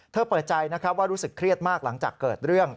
เธอเปิดใจว่ารู้สึกเครียดมากหลังจากเกิดเรื่อง